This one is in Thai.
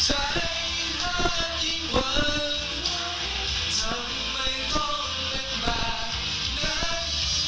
ใจยิ่งห้ายิ่งเวิร์ดทำไมต้องเล่นแบบนั้น